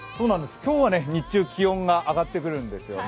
今日は日中、気温が上がってくるんですよね。